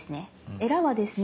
エラはですね